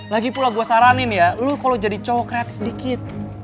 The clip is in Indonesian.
lagipula gue saranin ya lo kalo jadi cowok kreatif dikit